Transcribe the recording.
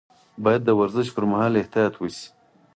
باید د ورزش پر مهال احتیاط وشي.